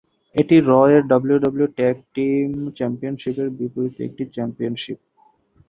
এটি "র"-এর WWE tag team চ্যাম্পিয়নশীপের বিপরীত একটি চ্যাম্পিয়নশীপ।